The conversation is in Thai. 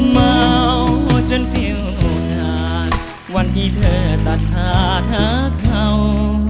เมาจนฟิลโอ้นานวันที่เธอตัดถาดเท้า